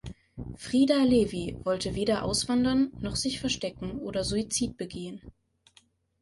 Frida Levy wollte weder auswandern, noch sich verstecken oder Suizid begehen.